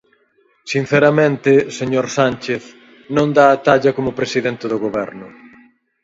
Sinceramente, señor Sánchez, non dá a talla como presidente do Goberno.